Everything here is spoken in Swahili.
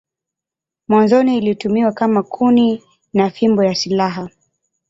Mwanzoni ilitumiwa kama kuni na fimbo ya silaha.